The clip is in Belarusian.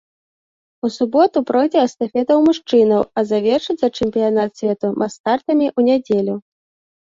У суботу пройдзе эстафета ў мужчынаў, а завершыцца чэмпіянат свету мас-стартамі ў нядзелю.